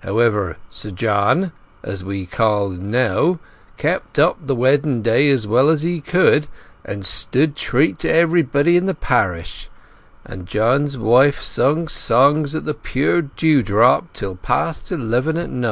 However, Sir John, as we call 'n now, kept up the wedding day as well as he could, and stood treat to everybody in the parish; and John's wife sung songs at The Pure Drop till past eleven o'clock."